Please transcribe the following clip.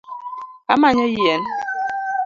Amanyo yien